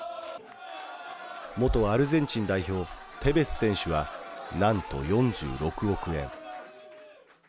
元アルゼンチン代表テベス選手はなんと４６億円。